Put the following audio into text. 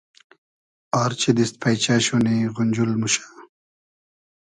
آر چی دیست پݷچۂ شونی غونجول موشۂ